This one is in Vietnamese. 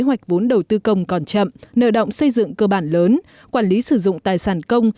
kế hoạch vốn đầu tư công còn chậm nợ động xây dựng cơ bản lớn quản lý sử dụng tài sản công